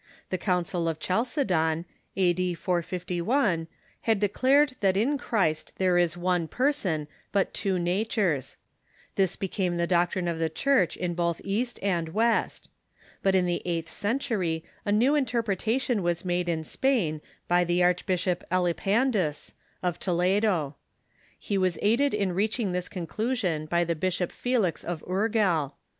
The Council of Chalcedon, a.d. 451, had declared that in Christ there is one person, but two natures. Adoptianism .• c t r^\ i ii ihis became tlie doctrme oi the Church in both East and West. But in the eighth century a new interpreta tion was made in Spain by the Archbishop Elipandus, of Tole do. He was aided in reaching this conclusion by the Bishop Felix of Urgel.